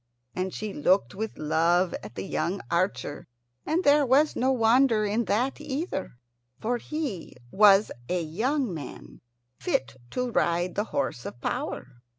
And she looked with love at the young archer; and there was no wonder in that either, for he was a young man fit to ride the horse of power.